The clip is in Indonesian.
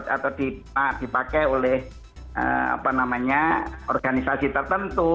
atau dipakai oleh apa namanya organisasi tertentu